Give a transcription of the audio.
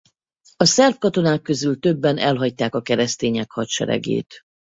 A szerb katonák közül többen elhagyták a keresztények hadseregét.